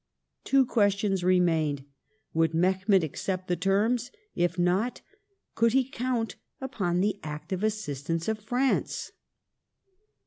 Two questions remained : would Mehemet accept the terms ; if not, could he count upon the active assistance of France